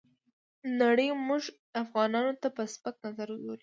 نړۍ موږ افغانانو ته په سپک نظر ګوري.